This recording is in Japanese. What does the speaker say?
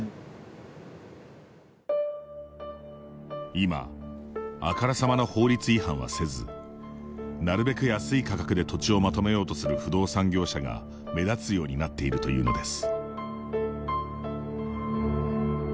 今、あからさまな法律違反はせずなるべく安い価格で土地をまとめようとする不動産業者が目立つようになっているというのです。